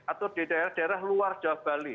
atau di daerah daerah luar jawa bali